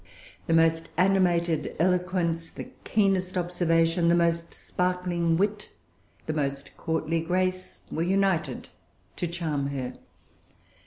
The most animated eloquence, the keenest observation, the most sparkling wit, the most courtly grace, were united to charm her.